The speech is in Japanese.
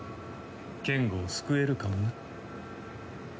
ケンゴを救えるかもな。